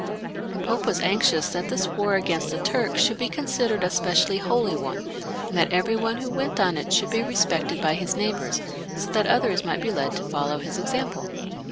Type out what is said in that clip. The Pope was anxious that this war against the Turks should be considered a specially holy one, and that every one who went on it should be respected by his neighbours, so that others might b6 led to follow his example.